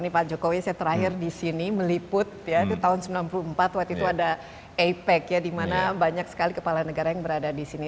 ini pak jokowi saya terakhir di sini meliput tahun seribu sembilan ratus sembilan puluh empat waktu itu ada apec ya di mana banyak sekali kepala negara yang berada di sini